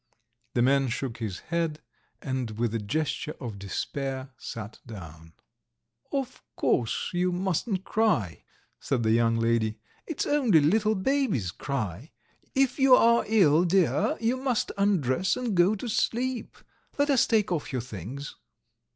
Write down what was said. The man shook his head, and with a gesture of despair sat down. "Of course you mustn't cry," said the young lady. "It's only little babies cry. If you are ill, dear, you must undress and go to sleep. ... Let us take off your things!"